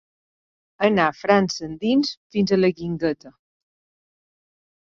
Anar França endins fins a la Guingueta.